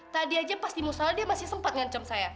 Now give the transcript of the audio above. tadi aja pas di musrah dia masih sempat ngancam saya